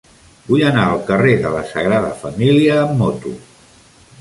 Vull anar al carrer de la Sagrada Família amb moto.